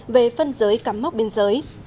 về phân giới cắm mốc biên giới